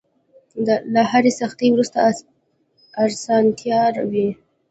له هرې سختۍ وروسته ارسانتيا وي.